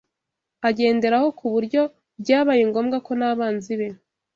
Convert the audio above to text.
agenderaho ku buryo byabaye ngombwa ko n’abanzi be